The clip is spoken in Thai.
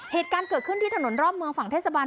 เหตุการณ์เกิดขึ้นที่ถนนรอบเมืองฝั่งเทศบาล